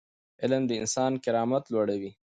علم د انسان کرامت لوړوي.